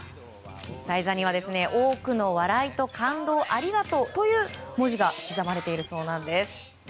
台座には、多くの笑いと感動をありがとうという文字が刻まれているそうなんです。